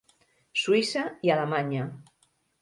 Suïssa i Alemanya.